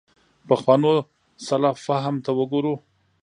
پخوانو سلف فهم ته وګورو.